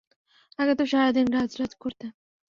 আগে তো সারাদিন রাজ রাজ করতে।